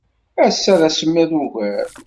Ass-a, d asemmiḍ ugar.